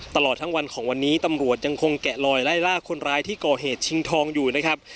ตลอดทั้งวันของวันนี้ตำรวจยังคงแกะลอยไล่ล่าคนร้ายที่ก่อเหตุชิงทองอยู่นะครับ